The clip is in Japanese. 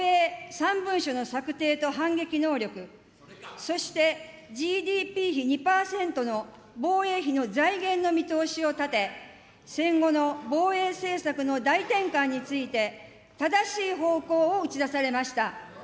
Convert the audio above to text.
３文書策定と反撃能力、そしてＧＤＰ比２％の防衛費の財源の見通しを立て、戦後の防衛政策の大転換について、正しい方向を打ち出されました。